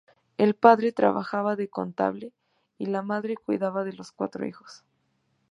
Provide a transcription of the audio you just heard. El padre trabajaba de contable y la madre cuidaba de los cuatro hijos.